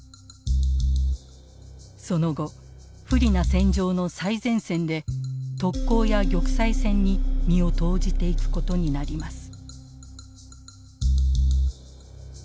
その後不利な戦場の最前線で特攻や玉砕戦に身を投じていくことになります。